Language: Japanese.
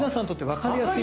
わかりやすい！